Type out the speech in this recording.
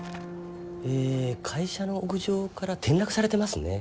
え会社の屋上から転落されてますね。